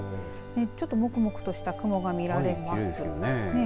ちょっともくもくとした雲が見られますね。